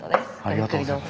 ゆっくりどうぞ。